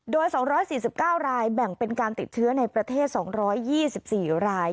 โดย๒๔๙รายแบ่งเป็นการติดเชื้อในประเทศ๒๒๔ราย